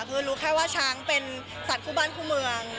คือรู้แค่ว่าช้างเป็นสัตว์คู่บ้านคู่เมือง